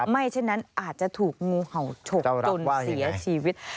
ไม่เช่นนั้นอาจจะถูกงูเห่าฉกจนเสียชีวิต